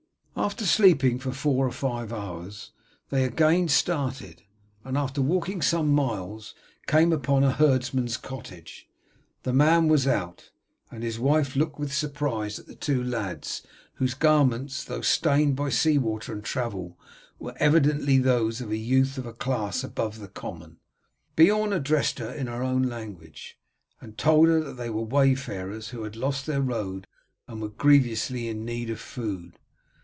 After sleeping for four or five hours they again started, and after walking some miles came upon a herdsman's cottage The man was out, and his wife looked with surprise at the two lads, whose garments, though stained by sea water and travel, were evidently those of youths of a class above the common. Beorn addressed her in her own language, and told her that they were wayfarers who had lost their road and were grievously in need of food.